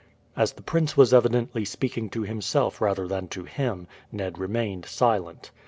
As the prince was evidently speaking to himself rather than to him, Ned remained silent.